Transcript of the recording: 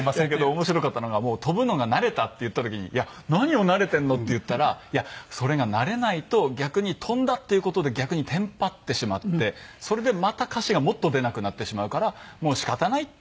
面白かったのが飛ぶのが慣れたって言った時にいや何を慣れてんのって言ったらいやそれが慣れないと逆に飛んだっていう事で逆にテンパってしまってそれでまた歌詞がもっと出なくなってしまうからもう仕方ないって。